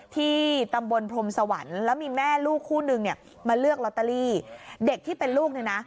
ที่ตำบลพรมสวรรค์แล้วมีแม่ลูกคู่นึงเนี่ยมาเลือกลอตเตอรี่เด็กที่เป็นลูกเนี่ยนะ